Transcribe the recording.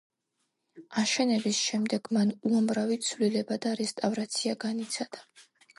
აშენების შემდეგ მან უამრავი ცვლილება და რესტავრაცია განიცადა.